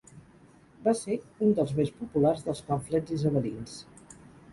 Va ser un dels més populars dels pamflets isabelins.